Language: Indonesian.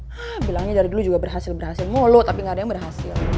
hah bilangnya dari dulu juga berhasil berhasil mulut tapi gak ada yang berhasil